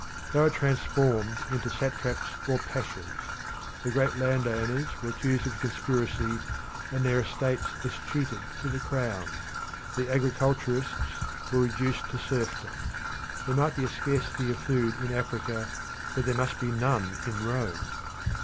They were transformed into satraps or pashas. The great landowners were accused of conspiracy, and their estates escheated to the crown. The agriculturists were reduced to serfdom. There might be a scarcity of food in Africa, but there must be none in Rome.